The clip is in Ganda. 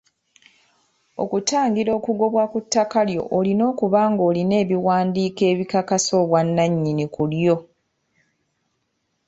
Okutangira okugobwa ku ttaka lyo olina okuba ng'olina ebiwandiiko ebikakasa obwannannyini ku lyo.